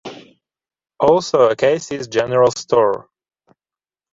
Also, a Casey's General Store.